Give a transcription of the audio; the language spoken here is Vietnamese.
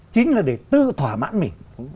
chính là để tự thỏa mãn mình